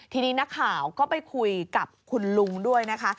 ทีนี้นักข่าวก็ไปคุยกับคุณลุงด้วยนะคะ